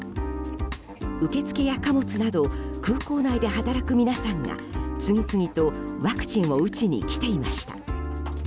受け付けや貨物など空港内で働く皆さんが次々とワクチンを打ちに来ていました。